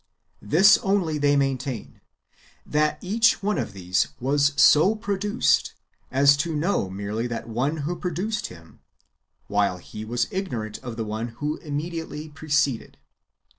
This only they maintain, that each one of these icas so produced as to know merely that one who produced him, while he was ignorant of the one wdio immediately preceded.